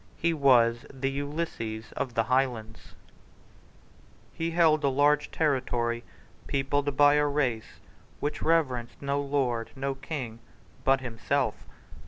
He was the Ulysses of the Highlands, He held a large territory peopled by a race which reverenced no lord, no king but himself.